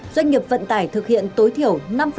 doanh nghiệp vận tải thực hiện tối thiểu năm